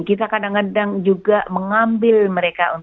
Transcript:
kita kadang kadang juga mengambil mereka